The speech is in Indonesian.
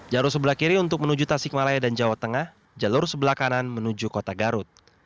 jalur sebelah kiri untuk menuju tasikmalaya dan jawa tengah jalur sebelah kanan menuju kota garut